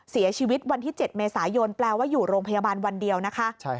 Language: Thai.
เสียชีวิตวันที่๗เมษายนแปลว่าอยู่โรงพยาบาลวันเดียวนะคะ